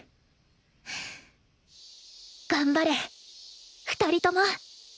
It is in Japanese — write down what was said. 頑張れ２人とも！